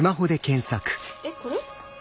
えっこれ？